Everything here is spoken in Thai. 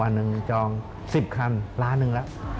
วันหนึ่งจอง๑๐คันล้านหนึ่งแล้ว